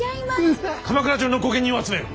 鎌倉中の御家人を集めよ。